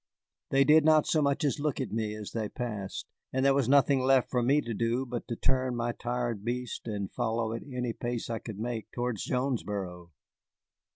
They did not so much as look at me as they passed, and there was nothing left for me to do but to turn my tired beast and follow at any pace I could make towards Jonesboro.